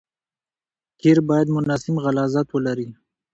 قیر باید مناسب غلظت ولري